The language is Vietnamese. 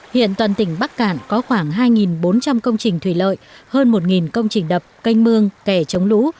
hiện toàn tỉnh bắc cạn có khoảng hai bốn trăm linh công trình thủy lợi hơn một công trình đập canh mương kẻ chống lũ